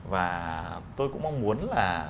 và tôi cũng mong muốn là